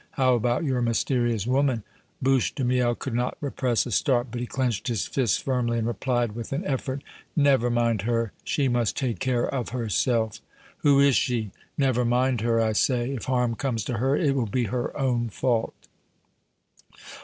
"How about your mysterious woman?" Bouche de Miel could not repress a start, but he clenched his fists firmly and replied, with an effort: "Never mind her! She must take care of herself!" "Who is she?" "Never mind her, I say! If harm comes to her it will be her own fault!"